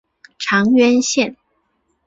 长渊线